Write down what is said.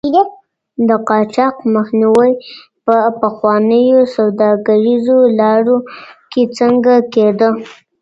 د قاچاق مخنیوی په پخوانیو سوداګریزو لارو کي څنګه کېده؟